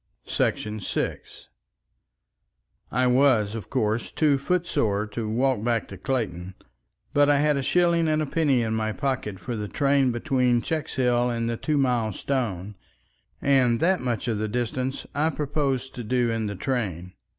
§ 6 I was, of course, too footsore to walk back to Clayton, but I had a shilling and a penny in my pocket for the train between Checkshill and Two Mile Stone, and that much of the distance I proposed to do in the train.